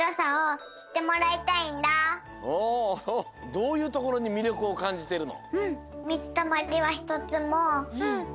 どういうところにみりょくをかんじてるの？